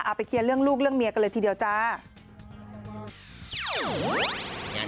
ไปเคลียร์เรื่องลูกเรื่องเมียกันเลยทีเดียวจ้า